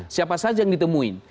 siapa saja yang ditemuin